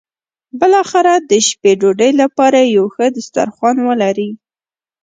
بالاخره د شپې ډوډۍ لپاره یو ښه سترخوان ولري.